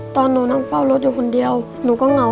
ตอนหนูนั่งเฝ้ารถอยู่คนเดียวหนูก็เหงา